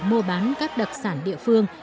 mua bán các đặc sản địa phương